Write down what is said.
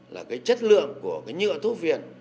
là cái chất lượng của cái nhựa thuốc viện